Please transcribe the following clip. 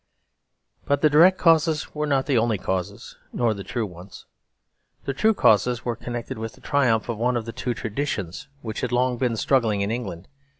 But the direct causes were not the only causes, nor the true ones. The true causes were connected with the triumph of one of the two traditions which had long been struggling in England.